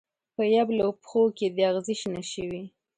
په یبلو پښو کې دې اغزې شنه شوي